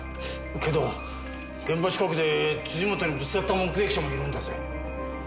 けど現場近くで本にぶつかった目撃者もいるんだぜ。